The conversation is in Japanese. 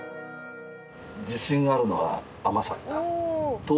自信があるのは甘さ。